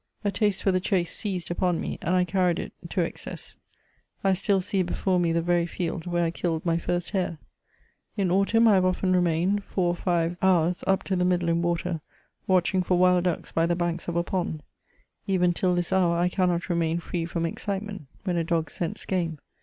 A taste for the chase seized upon me, and I carried it to excess ; I still see before me the very ield where I killed my first hare. In autumn, I have often remained four or five hours up to the middle in water, watching for wild ducks by the banks of a pond; even tiU this hour, I cannot remain free from excitement when a dog scents game.